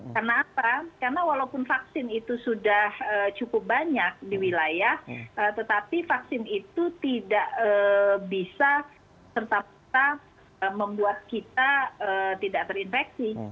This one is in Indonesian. karena apa karena walaupun vaksin itu sudah cukup banyak di wilayah tetapi vaksin itu tidak bisa tetap membuat kita tidak terinfeksi